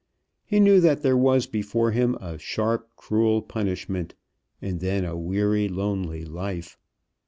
He knew that there was before him a sharp cruel punishment, and then a weary lonely life.